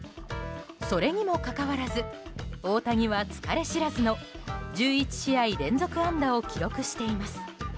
それにもかかわらず大谷は、疲れ知らずの１１試合連続安打を記録しています。